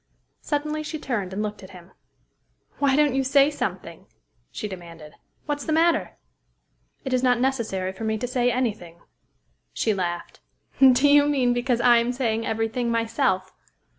Suddenly she turned, and looked at him. "Why don't you say something?" she demanded. "What's the matter?" "It is not necessary for me to say any thing." She laughed. "Do you mean because I am saying every thing myself?